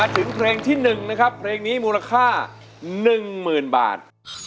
หนึ่งหมื่นบาท